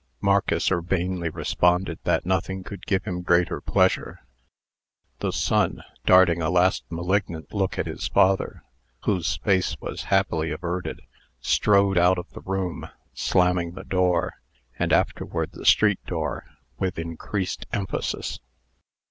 Marcus urbanely responded that nothing could give him greater pleasure. The son, darting a last malignant look at his father, whose face was happily averted, strode out of the room, slamming the door, and afterward the street door, with increased emphasis.